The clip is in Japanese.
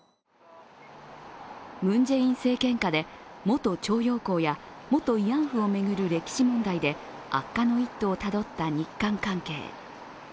ムン・ジェイン政権下で元徴用工や元慰安婦を巡る歴史問題で悪化の一途をたどったに日韓関係。